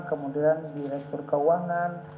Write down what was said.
kemudian direktur keuangan